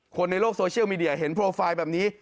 คนในโลกโซเชียลมีเดียเห็นโปรไฟล์แบบนี้